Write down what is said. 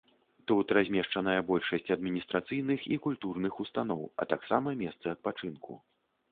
Тут размешчаная большасць адміністрацыйных і культурных устаноў, а таксама месцы адпачынку.